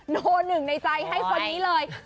หนึ่งในใจให้คนนี้เลย